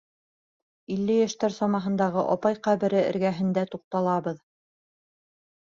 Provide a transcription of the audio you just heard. Илле йәштәр самаһындағы апай ҡәбере эргәһендә туҡталабыҙ.